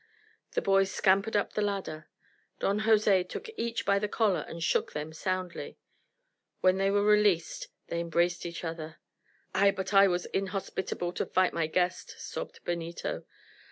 The boys scampered up the ladder. Don Jose took each by the collar and shook them soundly. When they were released they embraced each other. "Ay! but I was inhospitable to fight my guest," sobbed Benito.